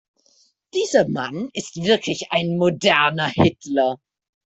Dieser Mann ist wirklich ein moderner Hitler.